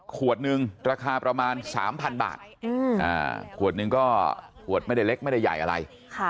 ขวดนึงก็ขวดไม่ได้เล็กไม่ได้ใหญ่อะไร